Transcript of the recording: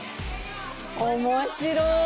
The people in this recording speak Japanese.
面白い。